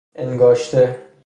انگاشته